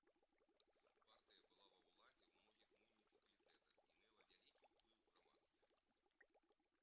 Партыя была ва ўладзе ў многіх муніцыпалітэтах і мела вялікі ўплыў у грамадстве.